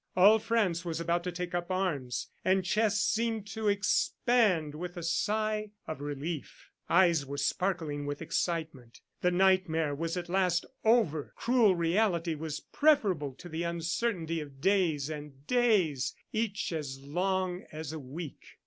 All France was about to take up arms, and chests seemed to expand with a sigh of relief. Eyes were sparkling with excitement. The nightmare was at last over! ... Cruel reality was preferable to the uncertainty of days and days, each as long as a week.